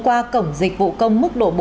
qua cổng dịch vụ công mức độ bốn